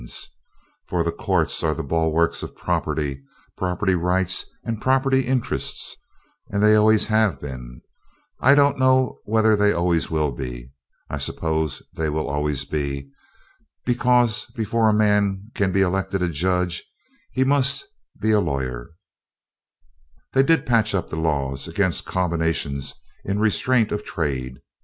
(Loud applause). For the courts are the bulwarks of property, property rights and property interests, and they always have been. I don't know whether they always will be. I suppose they will always be, because before a man can be elected a judge he must be a lawyer. They did patch up the laws against combinations in restraint of trade.